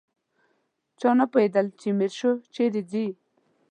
چا نه پوهېدل چې میرشو چیرې ځي.